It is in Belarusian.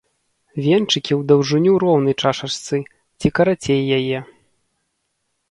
Венчыкі ў даўжыню роўны чашачцы ці карацей яе.